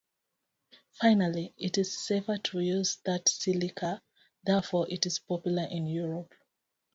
Finally, it is safer to use than silica, therefore it is popular in Europe.